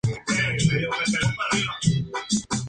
La estación, junto con su bodega siguen en pie.